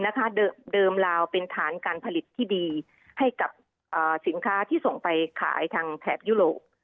เดิมลาวเป็นฐานการผลิตที่ดีให้กับสินค้าที่ส่งไปขายทางแถบยุโรป